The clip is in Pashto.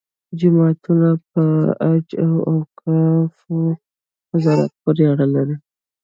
جوماتونه په حج او اوقافو وزارت پورې اړه لري.